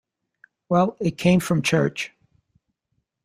Well, it came from church.